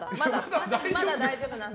まだ大丈夫なんで。